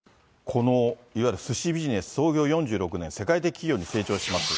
このいわゆるスシビジネス、創業４６年、世界的企業に成長します。